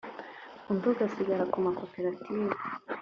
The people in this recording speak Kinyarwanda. undi ugasigara ku makoperative